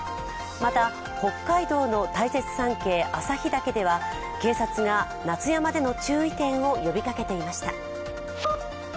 また、北海道の大雪山系旭岳では警察が夏山での注意点を呼びかけていました。